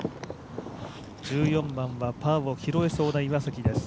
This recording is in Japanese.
１４番はパーを拾えそうな岩崎です。